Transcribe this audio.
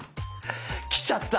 きちゃった。